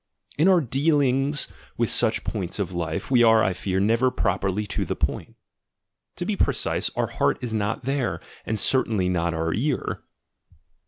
In our dealings with such points of life, we are, I fear, never properly to the point; to be precise, our heart is not there, and certainly not our ear.